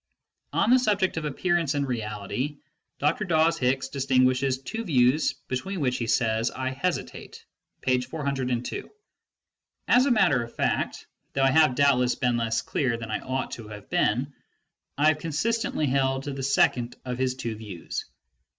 On the subject of appearance and reality, Dr. Dawes Hicks distinguishes two views between which he says I hesitate (p. 402). Aa a matter of fact, though I have doubtless been less clear than I ought to have been, I have consistently held to the second of his two views.